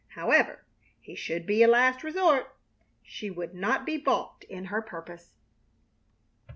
However, he should be a last resort. She would not be balked in her purpose.